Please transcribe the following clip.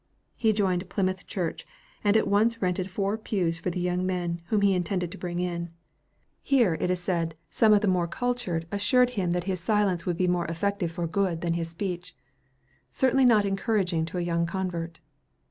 He joined Plymouth Church, and at once rented four pews for the young men whom he intended to bring in. Here, it is said, some of the more cultured assured him that his silence would be more effective for good than his speech! Certainly not encouraging to a young convert.